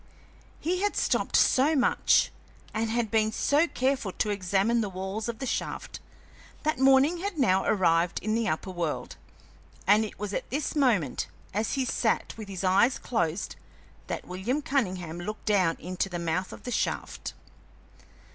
He had stopped so much, and had been so careful to examine the walls of the shaft, that morning had now arrived in the upper world, and it was at this moment, as he sat with his eyes closed, that William Cunningham looked down into the mouth of the shaft.